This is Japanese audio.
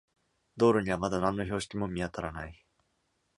道路にはまだ何の標識も見当たらない。